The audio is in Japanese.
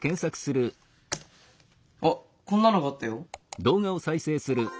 あっこんなのがあったよ。